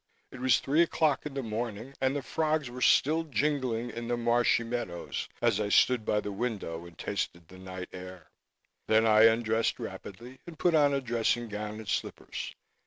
It was three o'clock in the morning and the frogs were still jingling in the marshy meadows as I stood by the window and tasted the night air. Then I undressed rapidly and put on a dressing gown and slippers.